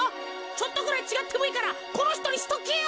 ちょっとぐらいちがってもいいからこのひとにしとけよ。